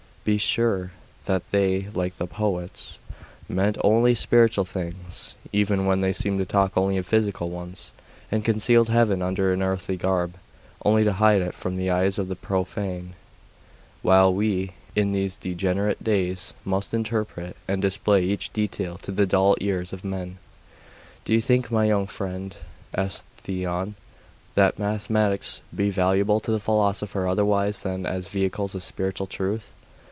Be sure that they, like the poets, meant only spiritual things, even when they seem to talk only of physical ones, and concealed heaven under an earthly garb, only to hide it from the eyes of the profane; while we, in these degenerate days, must interpret and display each detail to the dull ears of men.' 'Do you think, my young friend,' asked Theon, 'that mathematics can be valuable to the philosopher otherwise than as vehicles of spiritual truth?